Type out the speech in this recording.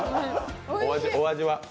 お味は？